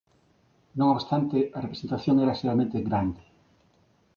Non obstante a representación era xeralmente grande.